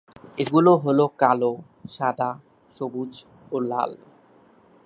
এগুলো হল কালো, সাদা, সবুজ ও লাল।